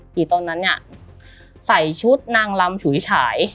ตอนนั้นเนี่ยใส่ชุดนางลำฉุยฉาย